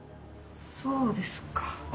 そうですか。